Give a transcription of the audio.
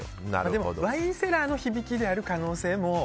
でもワインセラーの響きである可能性も。